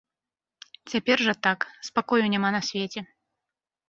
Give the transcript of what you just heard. Цяпер жа так, спакою няма на свеце.